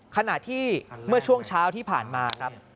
ขณะที่เมื่อช่วงเช้าที่ผ่านมาครับ